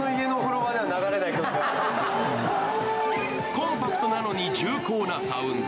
コンパクトなのに重厚なサウンド。